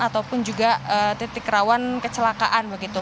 atau juga titik rawan kecelakaan